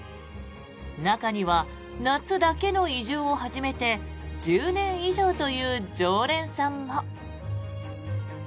中には夏だけの移住を始めて１０年以上という常連さんも。